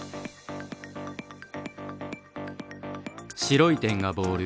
白い点がボール。